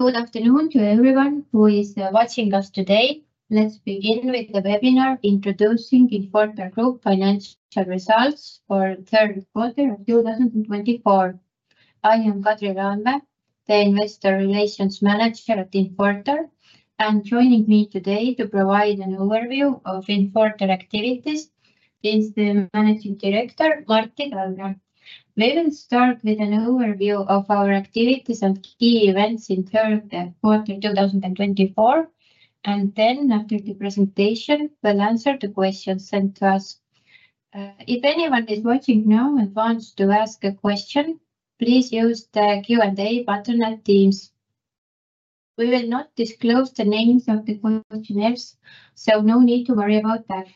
Good afternoon to everyone who is watching us today. Let's begin with the webinar introducing Infortar Group financial results for the third quarter of 2024. I am Kadri Laanvee, the Investor Relations Manager at Infortar, and joining me today to provide an overview of Infortar activities is the Managing Director, Martti Talgre. We will start with an overview of our activities and key events in the third quarter of 2024, and then, after the presentation, we'll answer the questions sent to us. If anyone is watching now and wants to ask a question, please use the Q&A button at Teams. We will not disclose the names of the questionnaires, so no need to worry about that.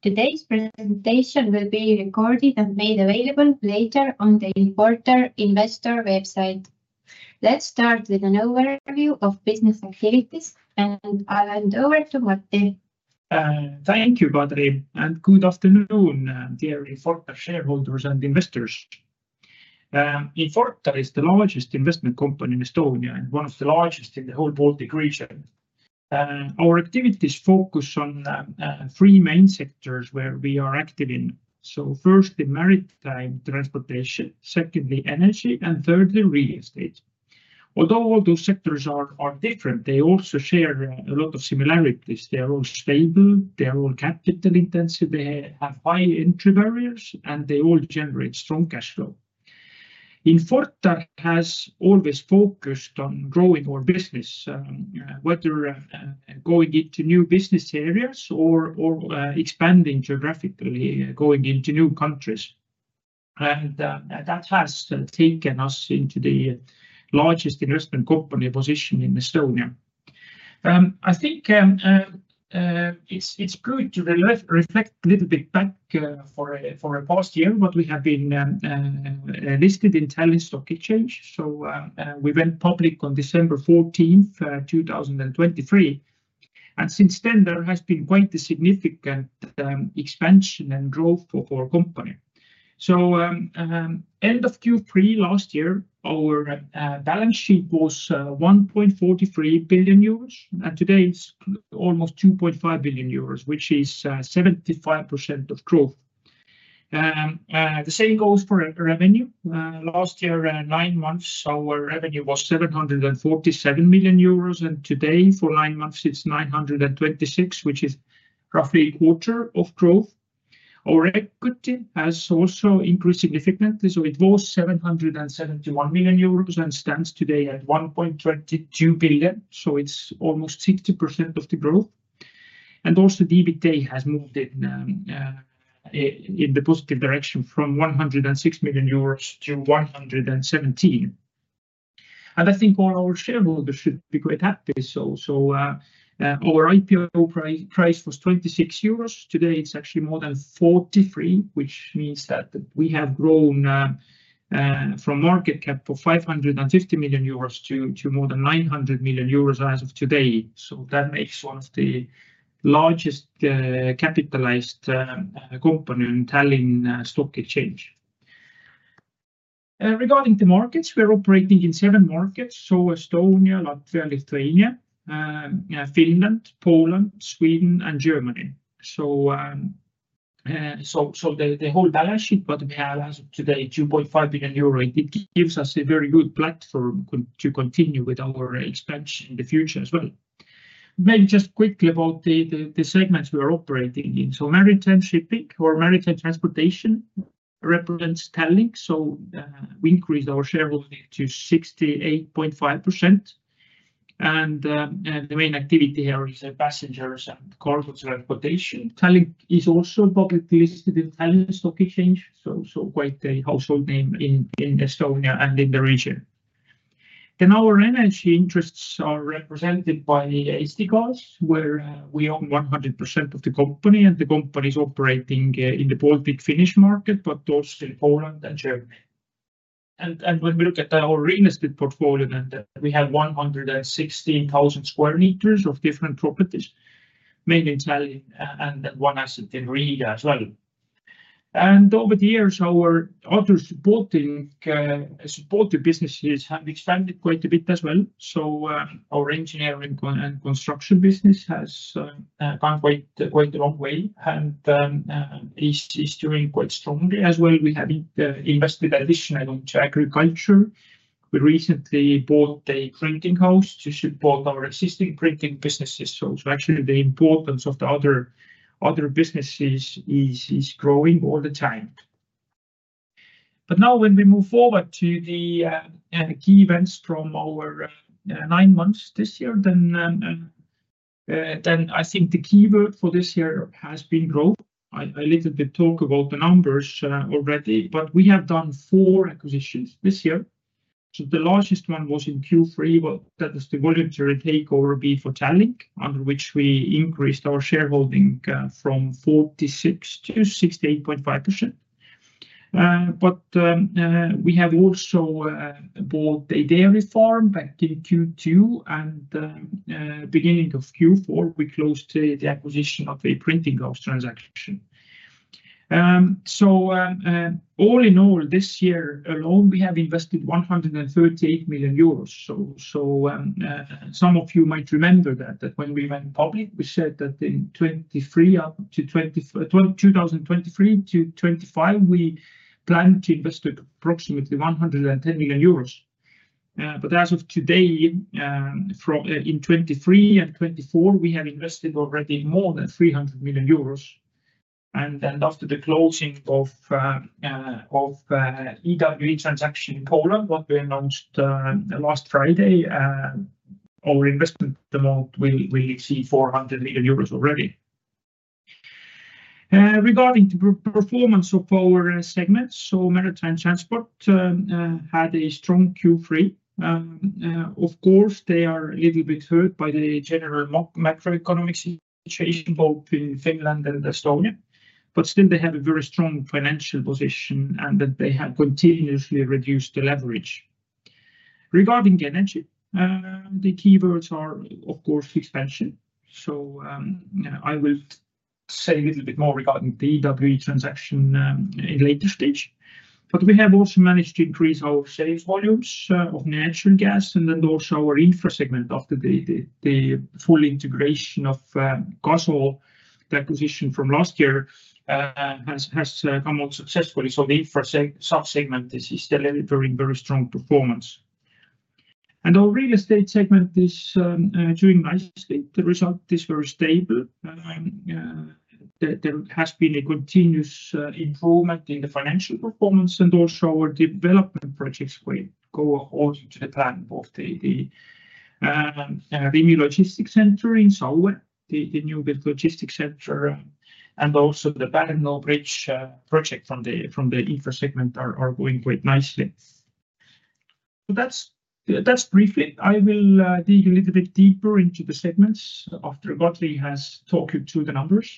Today's presentation will be recorded and made available later on the Infortar Investor website. Let's start with an overview of business activities, and I'll hand over to Martti. Thank you, Kadri, and good afternoon, dear Infortar shareholders and investors. Infortar is the largest investment company in Estonia and one of the largest in the whole Baltic region. Our activities focus on three main sectors where we are active in. So first, the maritime transportation. Secondly, energy. And thirdly, real estate. Although all those sectors are different, they also share a lot of similarities. They are all stable. They are all capital-intensive. They have high entry barriers, and they all generate strong cash flow. Infortar has always focused on growing our business, whether going into new business areas or expanding geographically, going into new countries. And that has taken us into the largest investment company position in Estonia. I think it's good to reflect a little bit back for a past year on what we have been listed in Tallinn Stock Exchange. We went public on December 14, 2023. And since then, there has been quite a significant expansion and growth of our company. End of Q3 last year, our balance sheet was 1.43 billion euros, and today it's almost 2.5 billion euros, which is 75% of growth. The same goes for revenue. Last year, nine months, our revenue was 747 million euros, and today, for nine months, it's 926 million, which is roughly a quarter of growth. Our equity has also increased significantly. It was 771 million euros and stands today at 1.22 billion. It's almost 60% of the growth. And also, EBITDA has moved in the positive direction from 106 million-117 million euros. And I think all our shareholders should be quite happy. Our IPO price was 26 euros. Today, it's actually more than 43, which means that we have grown from market cap of 550 million euros to more than 900 million euros as of today. So that makes one of the largest capitalized companies in Tallinn Stock Exchange. Regarding the markets, we're operating in seven markets: Estonia, Latvia, Lithuania, Finland, Poland, Sweden, and Germany. So the whole balance sheet that we have as of today is 2.5 billion euro. It gives us a very good platform to continue with our expansion in the future as well. Maybe just quickly about the segments we are operating in. So maritime shipping or maritime transportation represents Tallink. So we increased our shareholding to 68.5%. And the main activity here is passengers and cargo transportation. Tallink is also publicly listed in Tallinn Stock Exchange, so quite a household name in Estonia and in the region. Our energy interests are represented by Eesti Gaas, where we own 100% of the company, and the company is operating in the Baltic-Finnish market, but also in Poland and Germany. And when we look at our real estate portfolio, then we have 116,000 sq m of different properties, mainly in Tallinn, and then one asset in Riga as well. And over the years, our other supporting businesses have expanded quite a bit as well. So our engineering and construction business has gone quite a long way and is doing quite strongly as well. We have invested additionally into agriculture. We recently bought a printing house to support our existing printing businesses. So actually, the importance of the other businesses is growing all the time. But now, when we move forward to the key events from our nine months this year, then I think the key word for this year has been growth. I a little bit talked about the numbers already, but we have done four acquisitions this year. So the largest one was in Q3. That was the voluntary takeover of Tallink, under which we increased our shareholding from 46%-68.5%. But we have also bought a dairy farm back in Q2, and beginning of Q4, we closed the acquisition of a printing house transaction. So all in all, this year alone, we have invested 138 million euros. So some of you might remember that when we went public, we said that in 2023-2025, we planned to invest approximately 110 million euros. But as of today, in 2023 and 2024, we have invested already more than 300 million euros. And then after the closing of EWE transaction in Poland, what we announced last Friday, our investment amount will exceed EUR 400 million already. Regarding the performance of our segments, so maritime transport had a strong Q3. Of course, they are a little bit hurt by the general macroeconomic situation both in Finland and Estonia, but still, they have a very strong financial position, and they have continuously reduced the leverage. Regarding energy, the key words are, of course, expansion. So I will say a little bit more regarding the EWE transaction in a later stage. But we have also managed to increase our sales volumes of natural gas and then also our infra segment after the full integration of Gaso. The acquisition from last year has come on successfully. So the infra subsegment is still delivering very strong performance. And our real estate segment is doing nicely. The result is very stable. There has been a continuous improvement in the financial performance, and also our development projects go according to the plan of the new logistics center in Saue, and also the Pärnu Bridge project from the infra segment are going quite nicely. That's briefly. I will dig a little bit deeper into the segments after Kadri has talked to the numbers.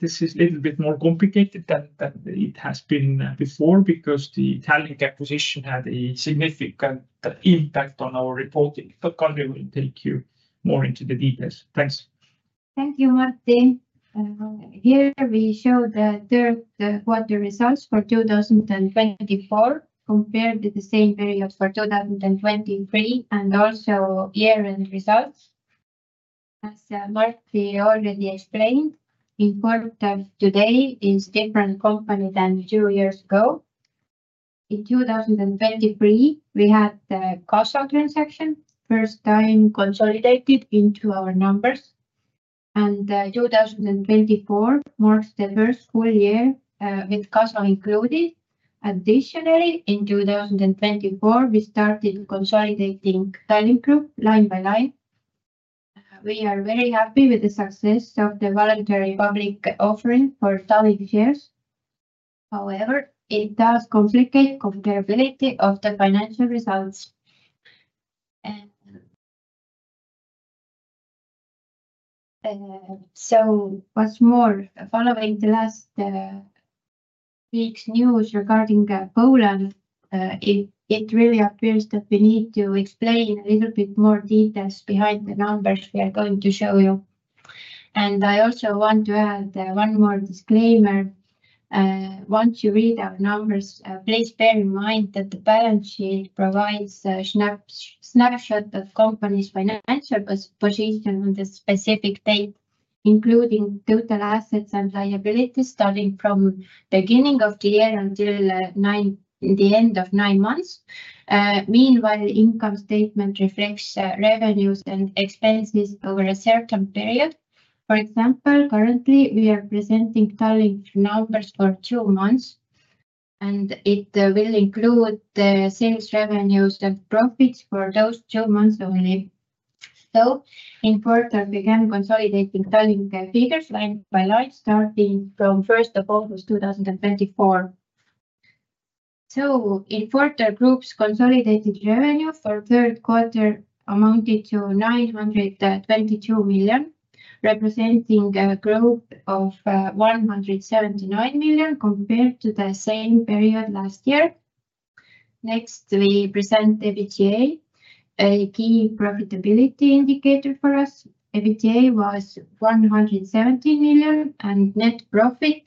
This is a little bit more complicated than it has been before because the Tallink acquisition had a significant impact on our reporting, but Kadri will take you more into the details. Thanks. Thank you, Martti. Here we show the third quarter results for 2024 compared to the same period for 2023 and also year-end results. As Martti already explained, Infortar today is a different company than two years ago. In 2023, we had the Gaso transaction, first time consolidated into our numbers. And 2024 marks the first full-year with Gaso included. Additionally, in 2024, we started consolidating Tallink Grupp line by line. We are very happy with the success of the voluntary public offering for Tallink shares. However, it does complicate the comparability of the financial results. So what's more, following last week's news regarding Poland, it really appears that we need to explain a little bit more details behind the numbers we are going to show you. And I also want to add one more disclaimer. Once you read our numbers, please bear in mind that the balance sheet provides a snapshot of the company's financial position on the specific date, including total assets and liabilities starting from the beginning of the year until the end of nine months. Meanwhile, the income statement reflects revenues and expenses over a certain period. For example, currently, we are presenting Tallink numbers for two months, and it will include the sales revenues and profits for those two months only. So Infortar began consolidating Tallink figures line by line, starting from 1st August 2024. So Infortar Group's consolidated revenue for the third quarter amounted to 922 million, representing a growth of 179 million compared to the same period last year. Next, we present EBITDA, a key profitability indicator for us. EBITDA was 117 million, and net profit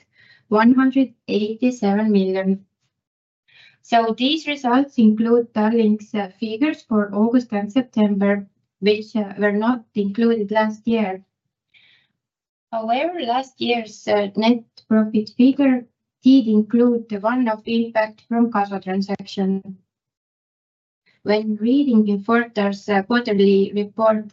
187 million. These results include Tallink's figures for August and September, which were not included last year. However, last year's net profit figure did include one-off impact from Gaso transaction. When reading Infortar's quarterly report,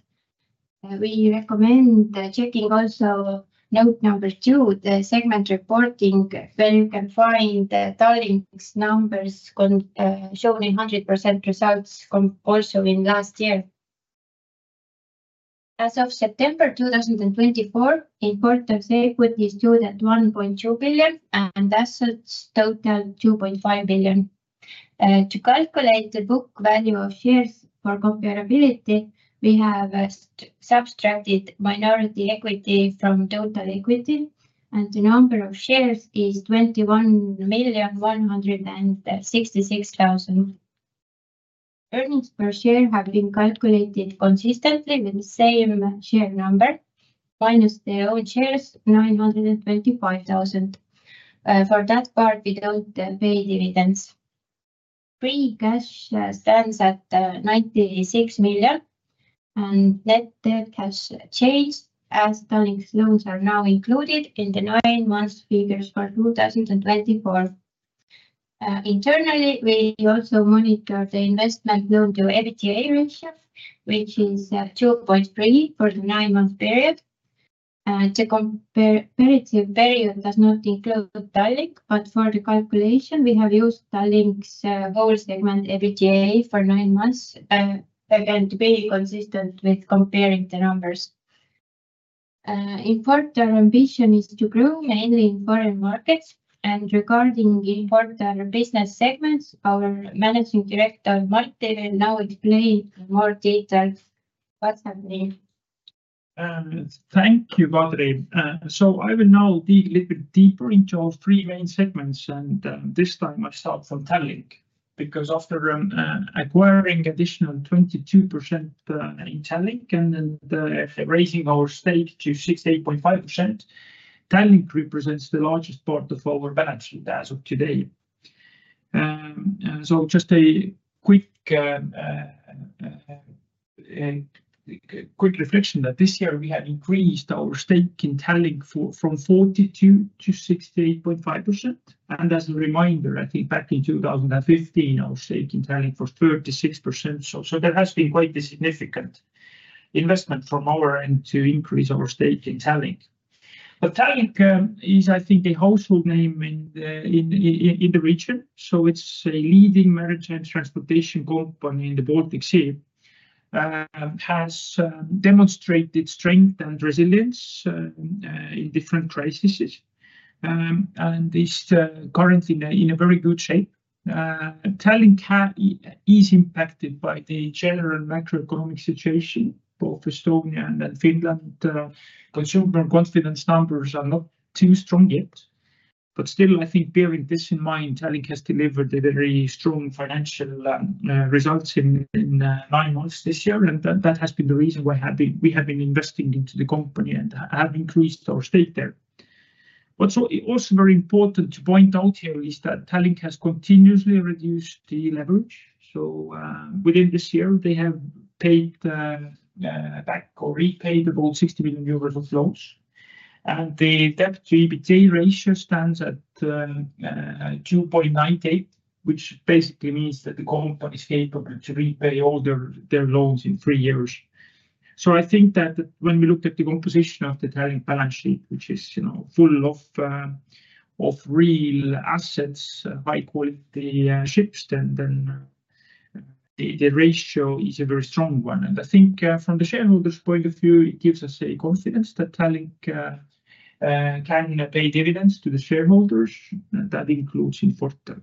we recommend checking also note number two, the segment reporting, where you can find Tallink's numbers showing 100% results also in last year. As of September 2024, Infortar's equity stood at 1.2 billion, and assets totaled 2.5 billion. To calculate the book value of shares for comparability, we have subtracted minority equity from total equity, and the number of shares is 21,166,000. Earnings per share have been calculated consistently with the same share number, minus their own shares, 925,000. For that part, we don't pay dividends. Free cash stands at 96 million, and net debt has changed as Tallink's loans are now included in the nine-month figures for 2024. Internally, we also monitor the investment loan-to-EBITDA ratio, which is 2.3 for the nine-month period. The comparative period does not include Tallink, but for the calculation, we have used Tallink's whole segment EBITDA for nine months and been consistent with comparing the numbers. Infortar's ambition is to grow mainly in foreign markets, and regarding Infortar business segments, our Managing Director, Martti, will now explain in more detail what's happening. Thank you, Kadri. I will now dig a little bit deeper into our three main segments, and this time I start from Tallink because after acquiring an additional 22% in Tallink and then raising our stake to 68.5%, Tallink represents the largest part of our balance sheet as of today. Just a quick reflection that this year we have increased our stake in Tallink from 42%-68.5%. As a reminder, I think back in 2015, our stake in Tallink was 36%. There has been quite a significant investment from our end to increase our stake in Tallink. Tallink is, I think, a household name in the region. It's a leading maritime transportation company in the Baltic Sea, has demonstrated strength and resilience in different crises, and is currently in a very good shape. Tallink is impacted by the general macroeconomic situation, both Estonia and Finland. Consumer confidence numbers are not too strong yet, but still, I think, bearing this in mind, Tallink has delivered very strong financial results in nine months this year, and that has been the reason why we have been investing into the company and have increased our stake there. What's also very important to point out here is that Tallink has continuously reduced the leverage. So within this year, they have paid back or repaid about 60 million euros of loans, and the debt-to-EBITDA ratio stands at 2.98, which basically means that the company is capable to repay all their loans in three years. So I think that when we look at the composition of the Tallink balance sheet, which is full of real assets, high-quality ships, then the ratio is a very strong one. I think from the shareholders' point of view, it gives us a confidence that Tallink can pay dividends to the shareholders, and that includes Infortar.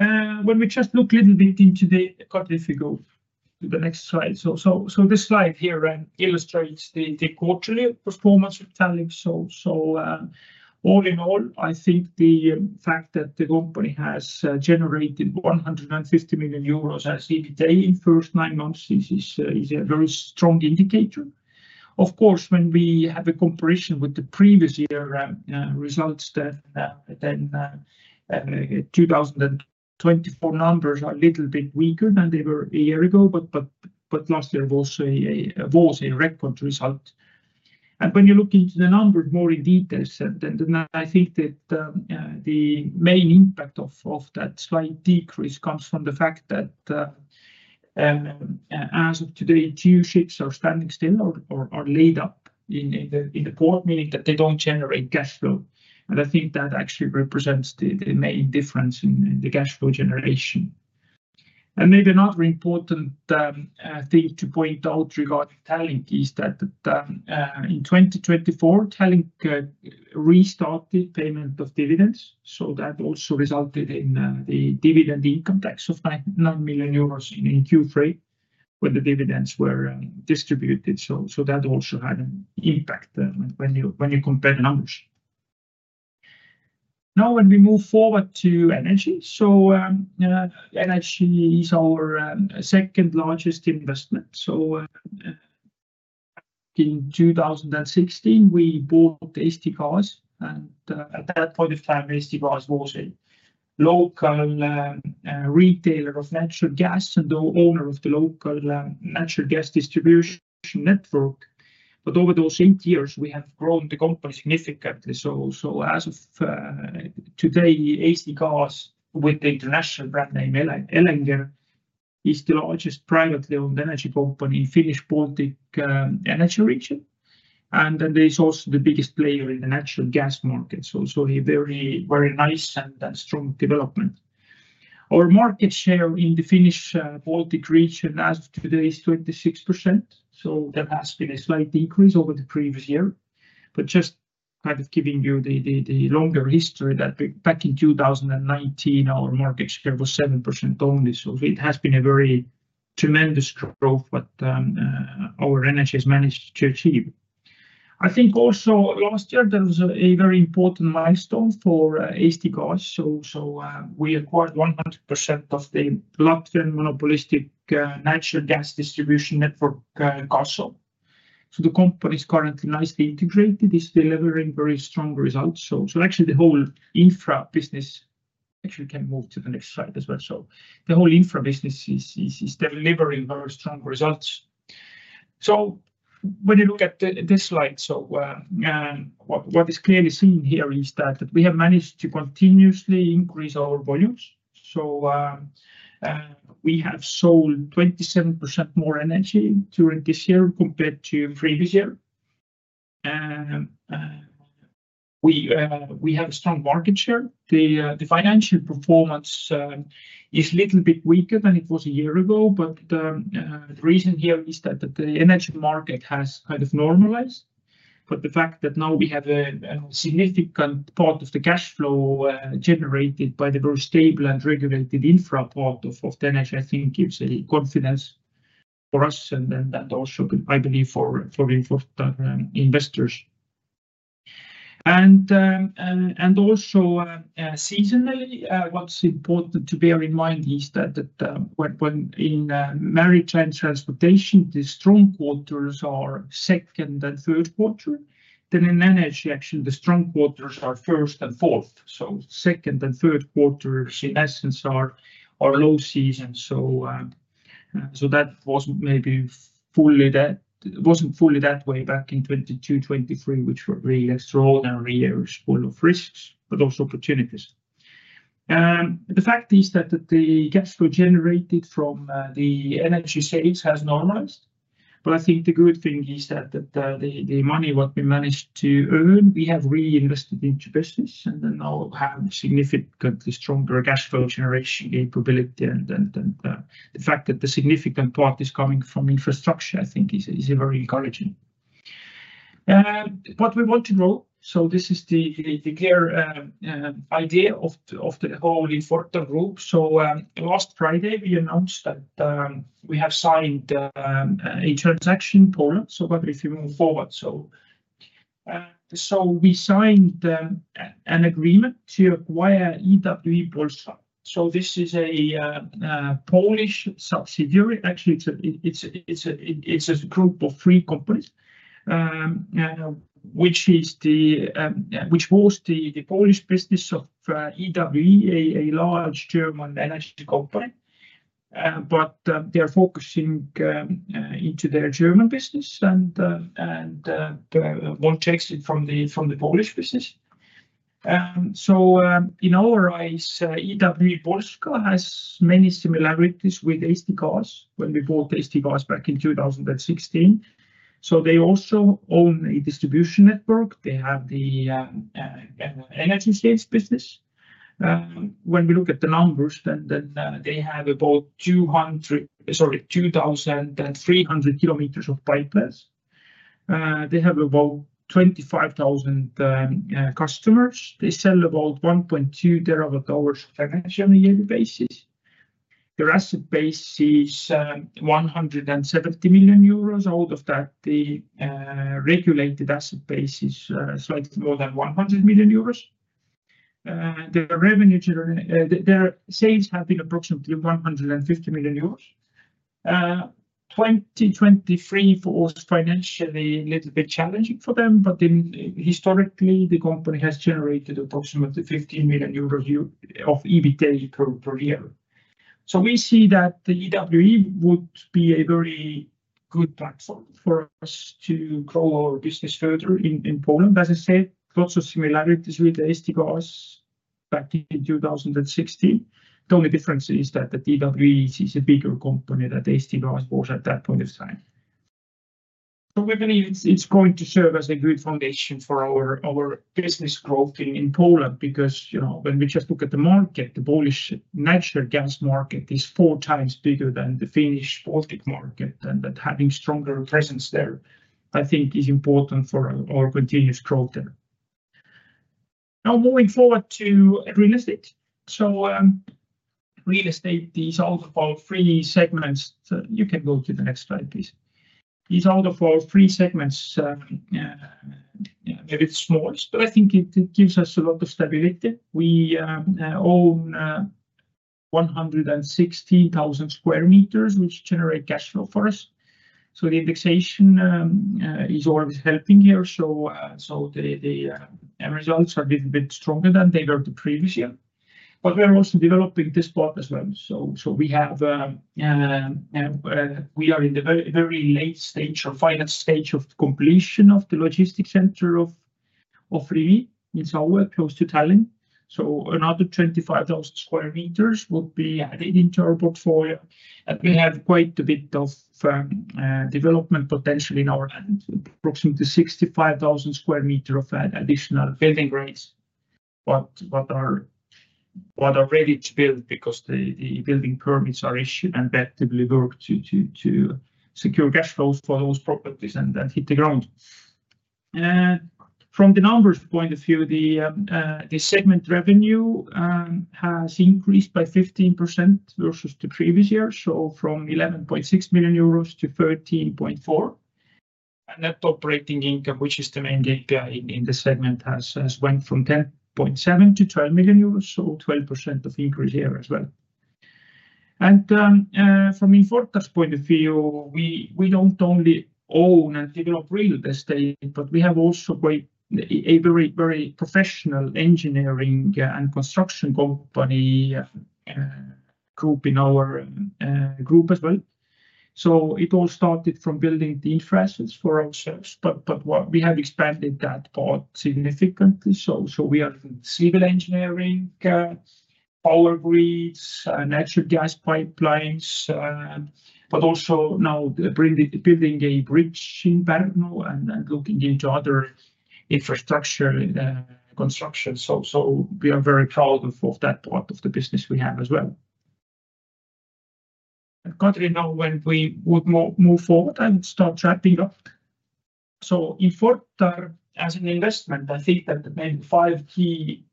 When we just look a little bit into the, god, if we go to the next slide. So this slide here illustrates the quarterly performance of Tallink. So all in all, I think the fact that the company has generated 150 million euros as EBITDA in the first nine months is a very strong indicator. Of course, when we have a comparison with the previous year results, then 2024 numbers are a little bit weaker than they were a year ago, but last year was a record result. When you look into the numbers more in detail, then I think that the main impact of that slight decrease comes from the fact that as of today, two ships are standing still or are laid up in the port, meaning that they don't generate cash flow. I think that actually represents the main difference in the cash flow generation. Maybe another important thing to point out regarding Tallink is that in 2024, Tallink restarted payment of dividends. That also resulted in the dividend income tax of 9 million euros in Q3 when the dividends were distributed. That also had an impact when you compare the numbers. Now, when we move forward to Energy, Energy is our second largest investment. So in 2016, we bought Eesti Gaas, and at that point of time, Eesti Gaas was a local retailer of natural gas and the owner of the local natural gas distribution network. But over those eight years, we have grown the company significantly. So as of today, Eesti Gaas with the international brand name Elenger is the largest privately owned energy company in the Finnish-Baltic energy region. And then there is also the biggest player in the natural gas market. So a very, very nice and strong development. Our market share in the Finnish-Baltic region as of today is 26%. So there has been a slight increase over the previous year. But just kind of giving you the longer history, that back in 2019, our market share was 7% only. So it has been a very tremendous growth what our energy has managed to achieve. I think also last year, there was a very important milestone for Eesti Gaas. So we acquired 100% of the Latvian monopolistic natural gas distribution network, Gaso. So the company is currently nicely integrated. It's delivering very strong results. So actually, the whole infra business. Actually, you can move to the next slide as well. So the whole infra business is delivering very strong results. So when you look at this slide, what is clearly seen here is that we have managed to continuously increase our volumes. So we have sold 27% more energy during this year compared to previous year. We have a strong market share. The financial performance is a little bit weaker than it was a year ago, but the reason here is that the energy market has kind of normalized. But the fact that now we have a significant part of the cash flow generated by the very stable and regulated infra part of the energy, I think, gives confidence for us and also I believe for Infortar investors. And also, seasonally, what's important to bear in mind is that when in maritime transportation, the strong quarters are second and third quarter, then in energy, actually, the strong quarters are first and fourth. So second and third quarters, in essence, are low season. So that wasn't fully that way back in 2022-2023, which were really extraordinary years full of risks, but also opportunities. The fact is that the cash flow generated from the energy sales has normalized. But I think the good thing is that the money what we managed to earn, we have reinvested into business and then now have significantly stronger cash flow generation capability. The fact that the significant part is coming from infrastructure, I think, is very encouraging. What we want to grow, so this is the clear idea of the whole Infortar group. Last Friday, we announced that we have signed a transaction in Poland. If you move forward. We signed an agreement to acquire EWE Polska. This is a Polish subsidiary. Actually, it's a group of three companies, which was the Polish business of EWE, a large German energy company. But they are focusing into their German business and want to exit from the Polish business. In our eyes, EWE Polska has many similarities with Eesti Gaas when we bought Eesti Gaas back in 2016. They also own a distribution network. They have the energy sales business. When we look at the numbers, then they have about 2,300 kms of pipelines. They have about 25,000 customers. They sell about 1.2 TW hours of energy on a yearly basis. Their asset base is 170 million euros. Out of that, the regulated asset base is slightly more than 100 million euros. Their sales have been approximately 150 million euros. 2023 was financially a little bit challenging for them, but historically, the company has generated approximately 15 million euros of EBITDA per year. So we see that the EWE would be a very good platform for us to grow our business further in Poland. As I said, lots of similarities with the Eesti Gaas back in 2016. The only difference is that the EWE is a bigger company than the Eesti Gaas was at that point of time. We believe it's going to serve as a good foundation for our business growth in Poland because when we just look at the market, the Polish natural gas market is 4x bigger than the Finnish Baltic market, and having stronger presence there, I think, is important for our continuous growth there. Now, moving forward to real estate. Real estate is one of our three segments. You can go to the next slide, please. It's one of our three segments, maybe it's smallest, but I think it gives us a lot of stability. We own 116,000 sq m, which generate cash flow for us. The indexation is always helping here. The results are a little bit stronger than they were the previous year. We are also developing this part as well. So we are in the very late stage or final stage of completion of the logistics center of Rimi in Saue, close to Tallinn. So another 25,000 square meters would be added into our portfolio. And we have quite a bit of development potential in our land, approximately 65,000 sq m of additional building rights. But are ready to build because the building permits are issued and actively work to secure cash flows for those properties and hit the ground. From the numbers point of view, the segment revenue has increased by 15% versus the previous year. So from 11.6 million-13.4 million euros And net operating income, which is the main KPI in the segment, has went from 10.7 million-12 million euros, so 12% of increase here as well. From Infortar's point of view, we don't only own and develop real estate, but we have also a very professional engineering and construction company group in our group as well. It all started from building the infrastructure for ourselves, but we have expanded that part significantly. We are in civil engineering, power grids, natural gas pipelines, but also now building a bridge in Pärnu and looking into other infrastructure construction. We are very proud of that part of the business we have as well. Kadri, now when we would move forward, I would start wrapping up. Infortar, as an investment, I think that maybe five key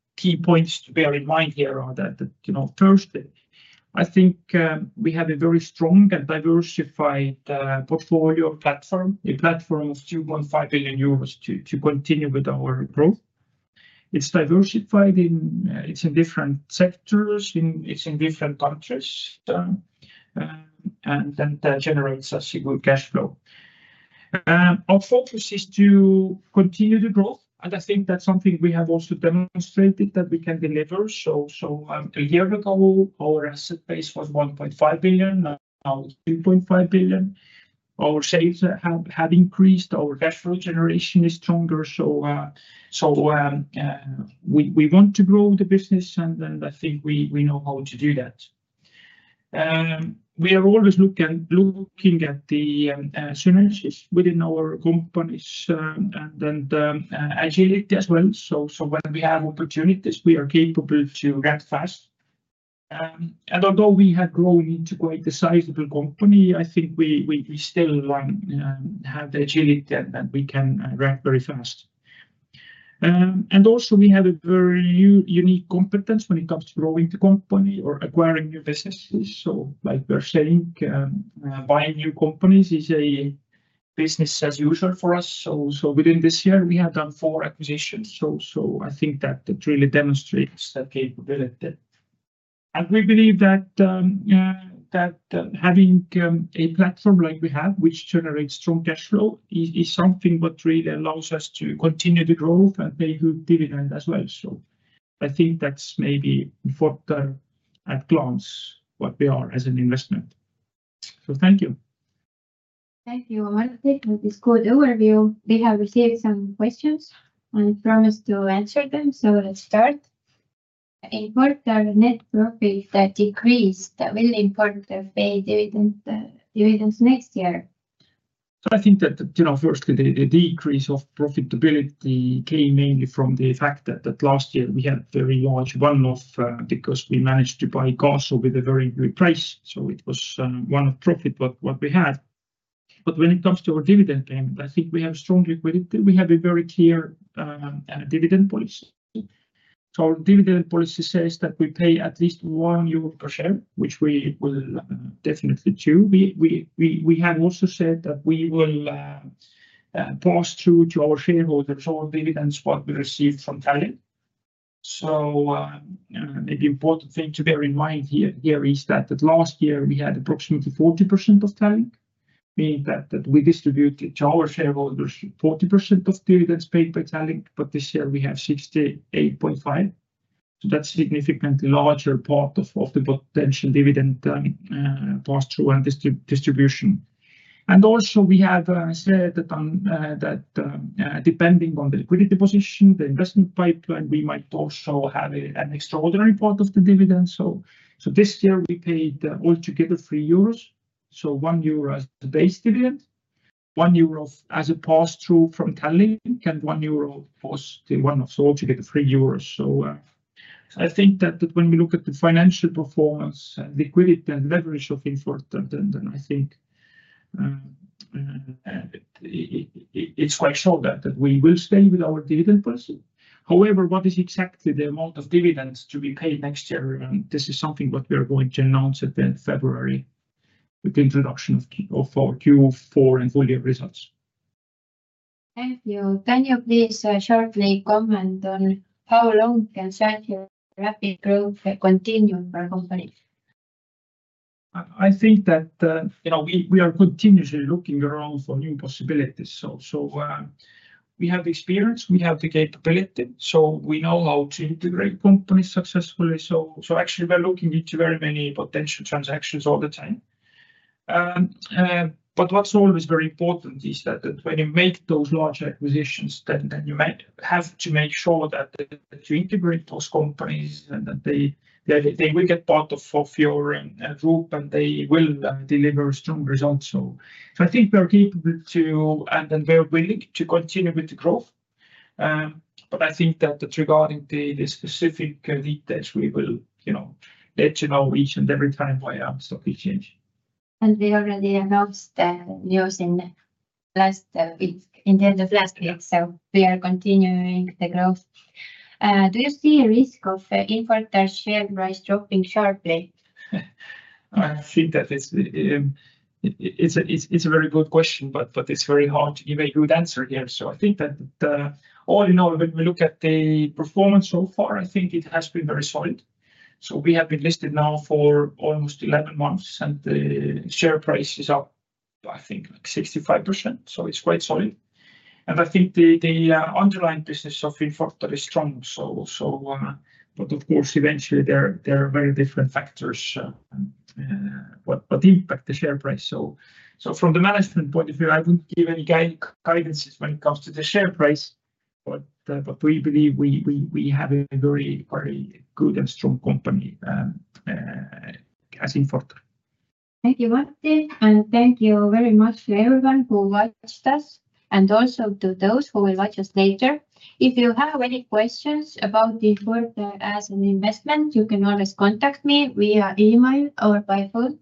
points to bear in mind here are that first, I think we have a very strong and diversified portfolio platform, a platform of 2.5 million euros to continue with our growth. It's diversified in different sectors, it's in different countries, and then generates a single cash flow. Our focus is to continue the growth, and I think that's something we have also demonstrated that we can deliver, so a year ago, our asset base was 1.5 billion, now it's 2.5 billion. Our sales have increased, our cash flow generation is stronger, so we want to grow the business, and I think we know how to do that. We are always looking at the synergies within our companies and then agility as well, so when we have opportunities, we are capable to react fast, and although we have grown into quite a sizable company, I think we still have the agility and we can react very fast. And also, we have a very unique competence when it comes to growing the company or acquiring new businesses. So like we're saying, buying new companies is a business as usual for us. So within this year, we have done four acquisitions. So I think that it really demonstrates that capability. And we believe that having a platform like we have, which generates strong cash flow, is something what really allows us to continue to grow and pay good dividend as well. So I think that's maybe Infortar at glance what we are as an investment. So thank you. Thank you. I want to take this quick overview. We have received some questions, and I promised to answer them, so let's start. Infortar net profit decreased. Will Infortar pay dividends next year? So I think that, firstly, the decrease of profitability came mainly from the fact that last year we had very large one-off because we managed to buy Gaso with a very good price. It was one-off profit what we had. But when it comes to our dividend payment, I think we have strong liquidity. We have a very clear dividend policy. Our dividend policy says that we pay at least 1 euro per share, which we will definitely do. We have also said that we will pass through to our shareholders all dividends what we received from Tallink. Maybe an important thing to bear in mind here is that last year we had approximately 40% of Tallink, meaning that we distributed to our shareholders 40% of dividends paid by Tallink, but this year we have 68.5%. That's a significantly larger part of the potential dividend pass-through and distribution. Also, we have said that depending on the liquidity position, the investment pipeline, we might also have an extraordinary part of the dividend. So this year, we paid altogether 3 euros. So 1 euro as the base dividend, 1 euro as a pass-through from Tallink, and 1 euro was the run-off. So altogether 3 euros. So I think that when we look at the financial performance, liquidity, and leverage of Infortar, then I think it's quite sure that we will stay with our dividend policy. However, what is exactly the amount of dividends to be paid next year? This is something what we are going to announce at the end of February with the introduction of our Q4 and full-year results. Thank you. Can you please shortly comment on how long can such a rapid growth continue for a company? I think that we are continuously looking around for new possibilities. So we have the experience, we have the capability, so we know how to integrate companies successfully. So actually, we're looking into very many potential transactions all the time. But what's always very important is that when you make those large acquisitions, then you have to make sure that you integrate those companies and that they will get part of your group and they will deliver strong results. So I think we are capable to, and then we are willing to continue with the growth. But I think that regarding the specific details, we will let you know each and every time via stock exchange. And we already announced the news in the end of last week, so we are continuing the growth. Do you see a risk of Infortar's share price dropping sharply? I think that it's a very good question, but it's very hard to give a good answer here. So I think that all in all, when we look at the performance so far, I think it has been very solid. So we have been listed now for almost 11 months, and the share price is up, I think, like 65%. So it's quite solid. And I think the underlying business of Infortar is strong. But of course, eventually, there are very different factors that impact the share price. So from the management point of view, I wouldn't give any guidance when it comes to the share price, but we believe we have a very good and strong company as Infortar. Thank you, Martti. And thank you very much to everyone who watched us, and also to those who will watch us later. If you have any questions about Infortar as an investment, you can always contact me via email or by phone.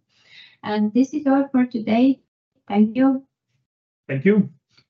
And this is all for today. Thank you. Thank you.